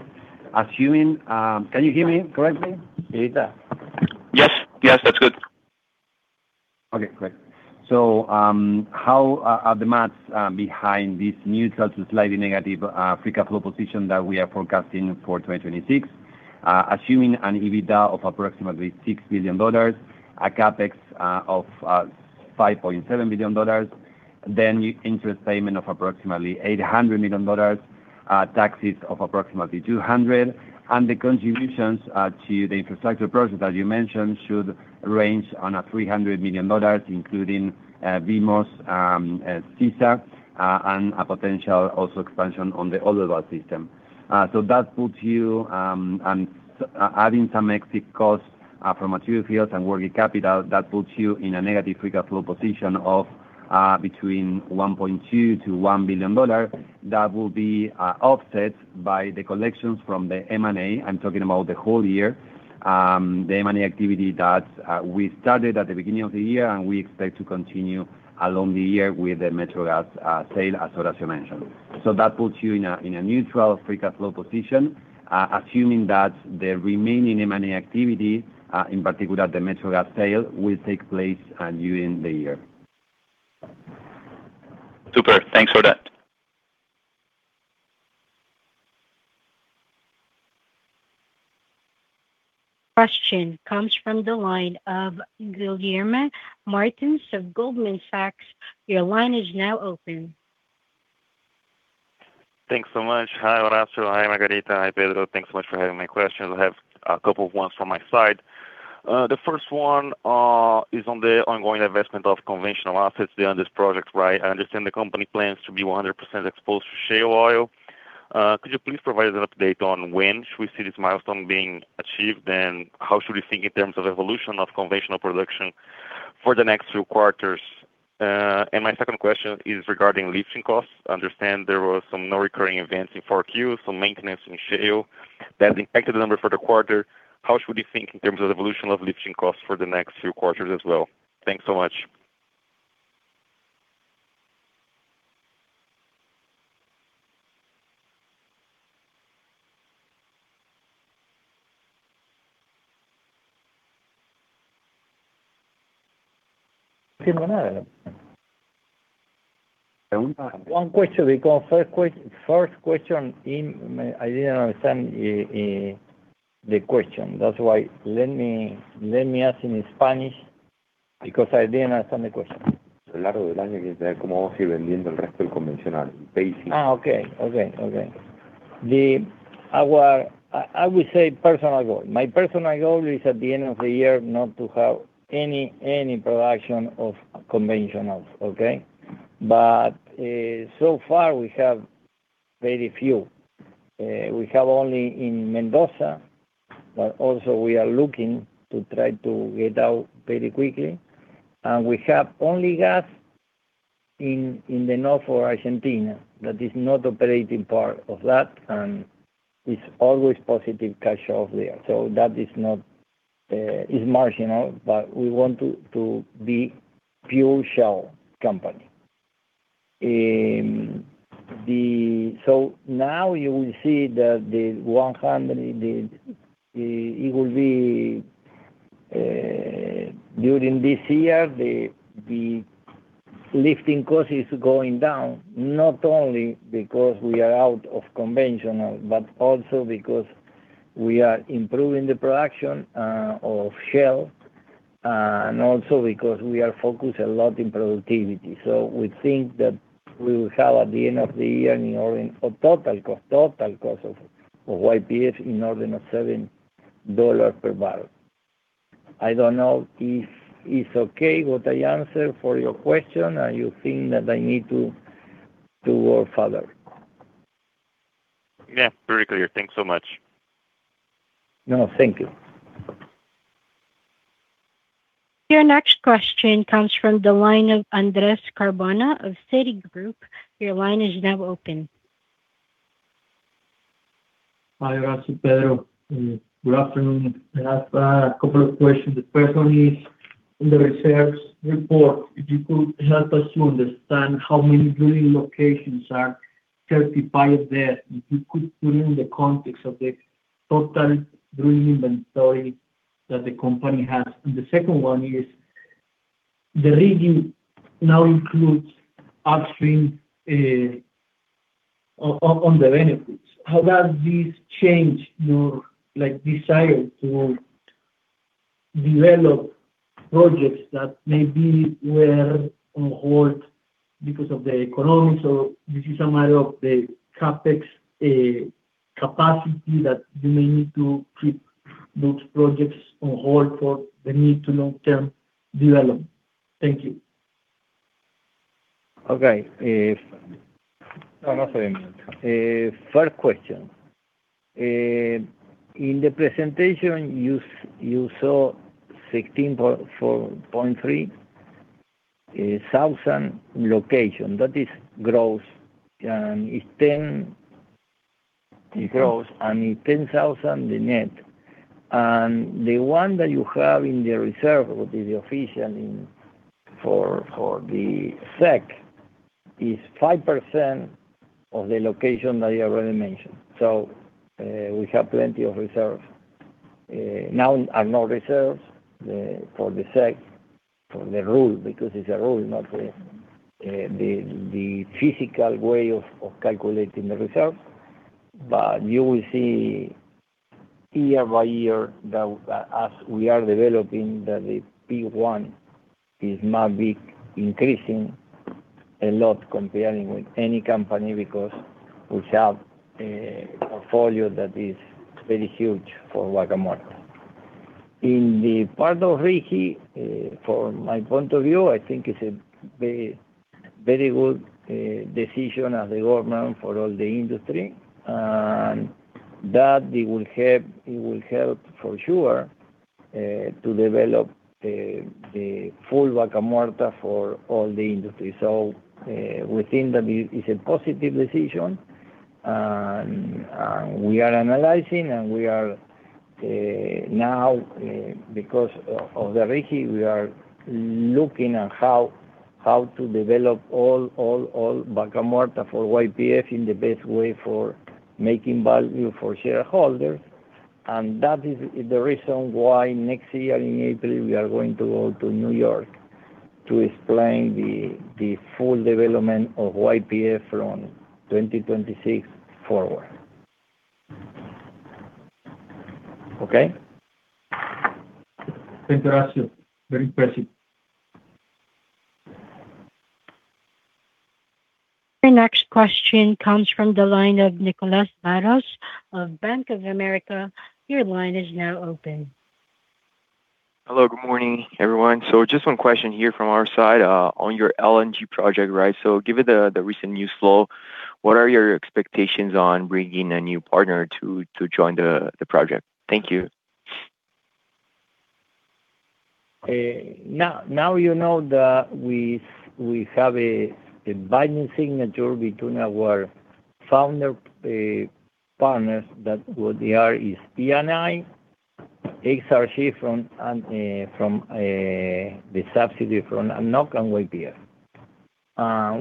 Assuming, Can you hear me correctly, Anita? Yes. Yes, that's good. Okay, great. How are the math behind this neutral to slightly negative free cash flow position that we are forecasting for 2026? Assuming an EBITDA of approximately $6 billion, a CapEx of $5.7 billion. Interest payment of approximately $800 million, taxes of approximately $200 million, and the contributions to the infrastructure project, as you mentioned, should range on a $300 million, including VMOS, CISA, and a potential also expansion on the other system. That puts you, and adding some extra costs from material fields and working capital, that puts you in a negative free cash flow position of between $1.2 billion to $1 billion. That will be offset by the collections from the M&A. I'm talking about the whole year, the M&A activity that we started at the beginning of the year, and we expect to continue along the year with the Metrogas sale, as Horacio mentioned. That puts you in a neutral free cash flow position, assuming that the remaining M&A activity, in particular the Metrogas sale, will take place during the year. Super. Thanks for that. Question comes from the line of Guilherme Martins of Goldman Sachs. Your line is now open. Thanks so much. Hi, Horacio. Hi, Margarita. Hi, Pedro. Thanks so much for having my questions. I have a couple of ones from my side. The first one is on the ongoing investment of conventional assets under this project, right? I understand the company plans to be 100% exposed to shale oil. Could you please provide an update on when should we see this milestone being achieved? How should we think in terms of evolution of conventional production for the next two quarters? My second question is regarding lifting costs. I understand there was some non-recurring events in 4Q, some maintenance in shale that impacted the number for the quarter. How should we think in terms of evolution of lifting costs for the next two quarters as well? Thanks so much. One question because first question, in, I didn't understand the question. That's why let me ask in Spanish, because I didn't understand the question. Okay. Okay, okay. I would say personal goal. My personal goal is at the end of the year, not to have any production of conventionals, okay? So far, we have very few. We have only in Mendoza, but also we are looking to try to get out very quickly. We have only gas in the north of Argentina, that is not operating part of that, and it's always positive cash out there. That is not marginal, but we want to be pure shale company. Now you will see that it will be during this year, the lifting cost is going down, not only because we are out of conventional, but also because we are improving the production of shale, and also because we are focused a lot in productivity. We think that we will have, at the end of the year, in order of total cost of YPF in order of $7 per barrel. I don't know if it's okay what I answer for your question? Are you think that I need to work further? Yeah, very clear. Thanks so much. No, thank you. Your next question comes from the line of Andres Cardona of Citigroup. Your line is now open. Hi, Horacio, Pedro. Good afternoon. I have a couple of questions. The first one is in the reserves report. If you could help us to understand how many drilling locations are certified there, if you could put in the context of the total drilling inventory that the company has. The second one is, the review now includes upstream on the benefits. How does this change your, like, desire to develop projects that maybe were on hold because of the economy? This is a matter of the CapEx capacity that you may need to keep those projects on hold for the need to long-term development. Thank you. Okay. No, not for a minute. First question. In the presentation, you saw 16.4.3 thousand location. That is gross, and it's 10, it's gross, and it's 10,000, the net. The one that you have in the reserve, would be the official in for the SEC, is 5% of the location that you already mentioned. We have plenty of reserves. Now are no reserves for the SEC, for the rule, because it's a rule, not the physical way of calculating the reserve. You will see year by year, that as we are developing, that the P1 is, might be increasing a lot comparing with any company because we have a portfolio that is very huge for Vaca Muerta. In the part of RIGI, from my point of view, I think it's a very, very good decision as a government for all the industry, that it will help for sure to develop the full Vaca Muerta for all the industry. We think that it's a positive decision, and we are analyzing, and we are now because of the RIGI, we are looking at how to develop all Vaca Muerta for YPF in the best way for making value for shareholders. That is the reason why next year in April, we are going to go to New York to explain the full development of YPF from 2026 forward. Okay? Thank you, Horacio. Very impressive. Your next question comes from the line of Nicolas Barros of Bank of America. Your line is now open. Hello, good morning, everyone. Just one question here from our side, on your LNG project, right? Given the recent news flow, what are your expectations on bringing a new partner to join the project? Thank you. Now, you know that we have a binding signature between our founder partners, that what they are is Eni, XRG from, and from the subsidy from NOK and YPF.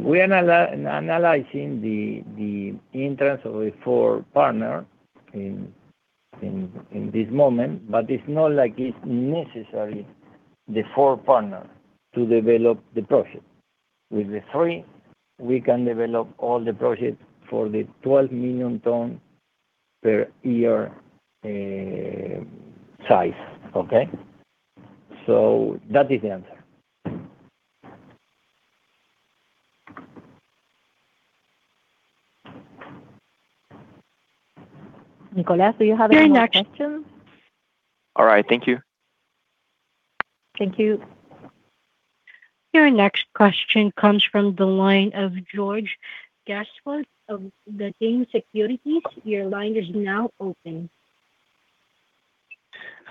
We are analyzing the interest of a four partner in this moment, but it's not like it's necessary, the four partner, to develop the project. With the three, we can develop all the projects for the 12 million tons per year size. Okay? That is the answer. Nicolas, do you have any more questions? All right. Thank you. Thank you. Your next question comes from the line of George Gasztowtt of the Latin Securities. Your line is now open.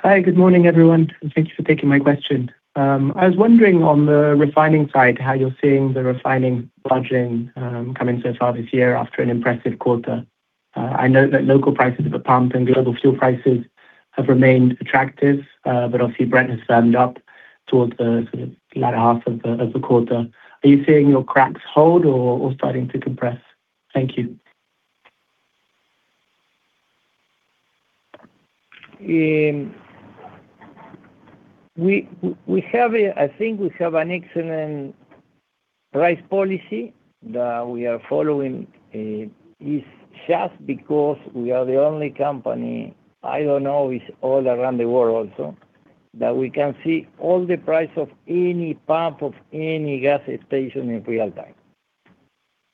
Hi, good morning, everyone, thank you for taking my question. I was wondering on the refining side, how you're seeing the refining margin coming so far this year after an impressive quarter. I know that local prices at the pump and global fuel prices have remained attractive, but obviously, Brent has firmed up towards the sort of latter half of the quarter. Are you seeing your cracks hold or starting to compress? Thank you. We have an excellent price policy that we are following, I don't know, it's all around the world also, that we can see all the price of any pump of any gas station in real time.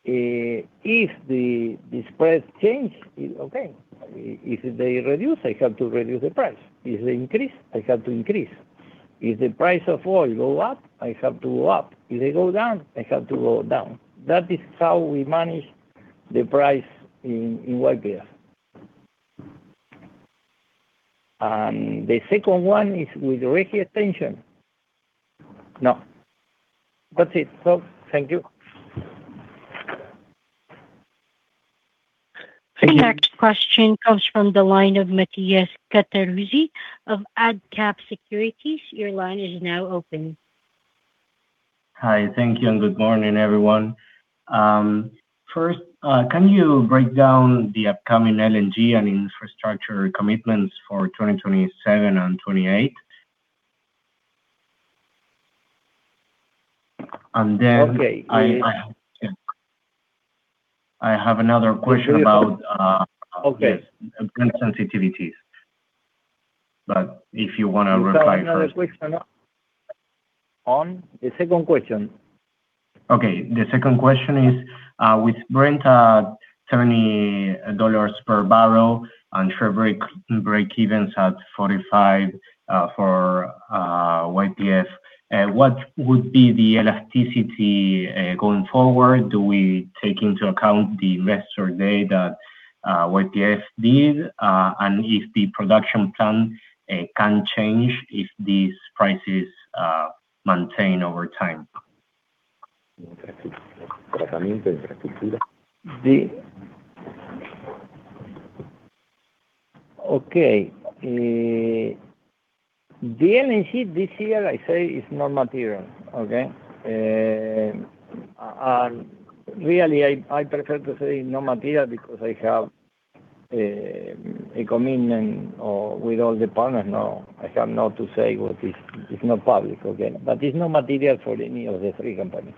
If the spread change, okay, if they reduce, I have to reduce the price. If they increase, I have to increase. If the price of oil go up, I have to go up. If they go down, I have to go down. That is how we manage the price in YPF. The second one is with RIGI attention. No. That's it. Thank you. The next question comes from the line of Matias Cattaruzzi of Adcap Securities. Your line is now open. Hi. Thank you, and good morning, everyone. First, can you break down the upcoming LNG and infrastructure commitments for 2027 and 2028? Okay. I, yeah. I have another question about. Okay. sensitivities. If you wanna reply first. Another question or not? On the second question. Okay, the second question is, with Brent at $70 per barrel and fair break-evens at $45, for YPF, what would be the elasticity going forward? Do we take into account the investor day that YPF did? If the production plan can change if these prices maintain over time? Okay. The LNG this year, I say, is not material, okay? Really, I prefer to say not material because I have a commitment with all the partners now. I have not to say what is not public, okay? It's not material for any of the three companies.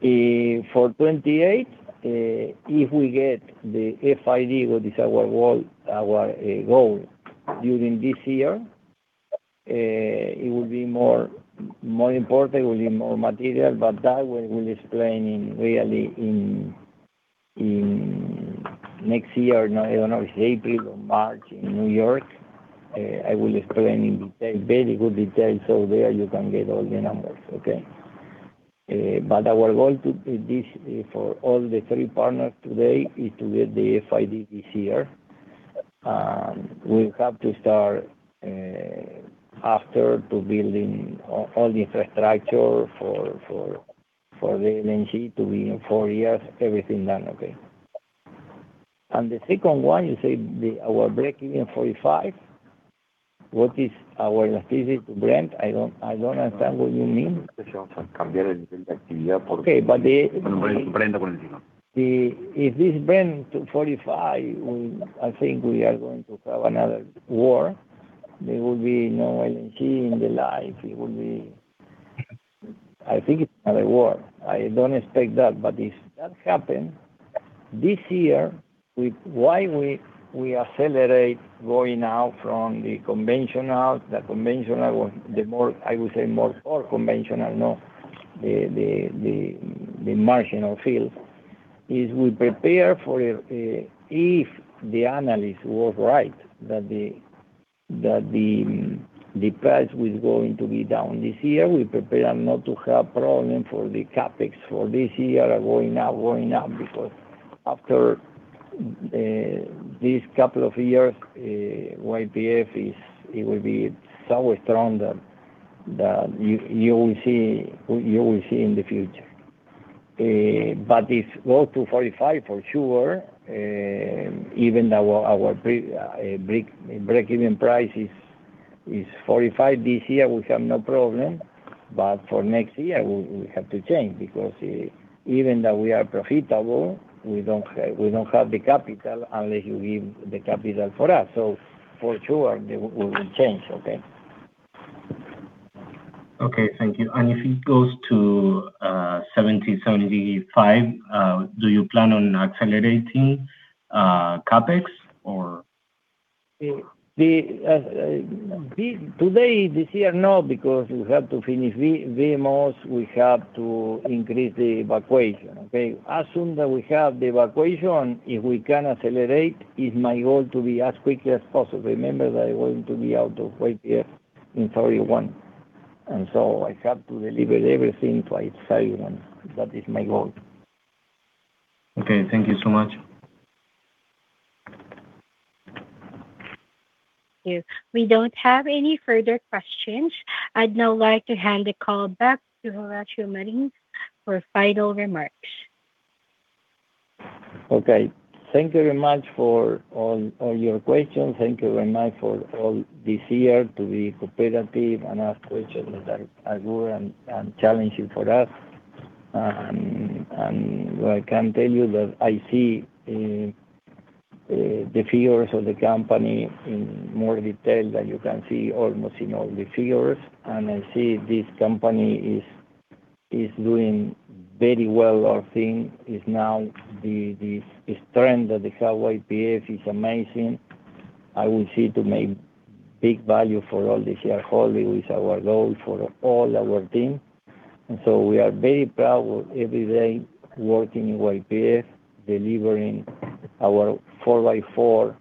For 28, if we get the FID, what is our goal, our goal during this year, it will be more important, it will be more material, that we will explain in really next year, I don't know, it's April or March in New York. I will explain in detail, very good detail, so there you can get all the numbers, okay? Our goal for all the three partners today is to get the FID this year. We have to start after to building all the infrastructure for the LNG to be in four years, everything done, okay? The second one, you say the, our break even 45. What is our specific brand? I don't understand what you mean. Okay, the if this brand to 45, we, I think we are going to have another war. There will be no LNG in the life. It would be I think it's another war. I don't expect that, but if that happen, this year, why we accelerate going out from the conventional, the more, I would say, more conventional, no, the marginal field, is we prepare for. If the analyst was right that the price was going to be down this year, we prepare not to have problem for the CapEx for this year, are going up, because after this couple of years, YPF will be so strong that you will see in the future. If go to $45, for sure, even our pre-break-even price is $45 this year, we have no problem. For next year, we have to change because, even though we are profitable, we don't have the capital unless you give the capital for us. For sure, we will change. Okay? Okay, thank you. If it goes to 70-75, do you plan on accelerating CapEx or? The today, this year, no, because we have to finish VMOS, we have to increase the evacuation, okay? As soon as we have the evacuation, if we can accelerate, it's my goal to be as quickly as possible. Remember that I want to be out of YPF in 31. I have to deliver everything to YPF 31. That is my goal. Okay, thank you so much. Thank you. We don't have any further questions. I'd now like to hand the call back to Horacio Marín for final remarks. Okay. Thank you very much for all your questions. Thank you very much for all this year to be cooperative and ask questions that are good and challenging for us. I can tell you that I see the figures of the company in more detail than you can see, almost in all the figures, and I see this company is doing very well. Our thing is now the strength of the current YPF is amazing. I will see to make big value for all the shareholders, is our goal for all our team. We are very proud every day working in YPF, delivering our four by four,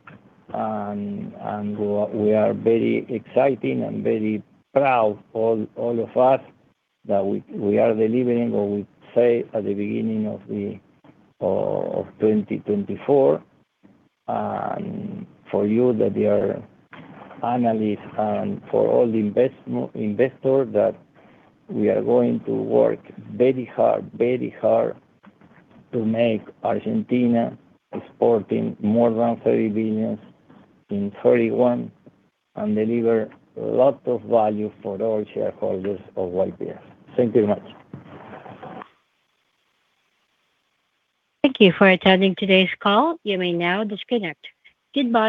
and we are very exciting and very proud, all of us, that we are delivering what we say at the beginning of 2024. For you, that they are analysts and for all the investors, that we are going to work very hard to make Argentina exporting more than $30 billion in 2031, and deliver a lot of value for all shareholders of YPF. Thank you very much. Thank you for attending today's call. You may now disconnect. Goodbye.